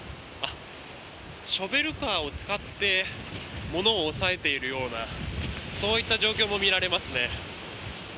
ショベルカーを使って物を押さえているようなそういった状況も見られますね。